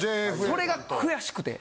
それが悔しくて。